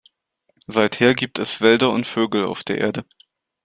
Seither gibt es Wälder und Vögel auf der Erde.